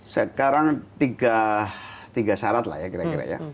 sekarang tiga syarat lah ya kira kira ya